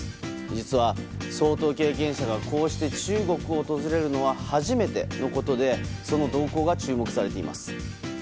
実は、総統経験者がこうして中国を訪れるのは初めてのことでその動向が注目されています。